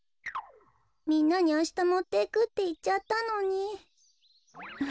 みんなにあしたもっていくっていっちゃったのに。